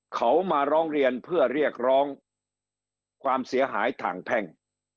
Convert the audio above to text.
เขามาร้องเรียนเพื่อเรียกร้องความเสียหายทางแพ่ง